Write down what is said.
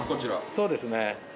そうですね。